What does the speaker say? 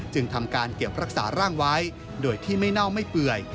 จึงทำการเก็บรักษาร่างไว้โดยที่ไม่เน่าไม่เปื่อย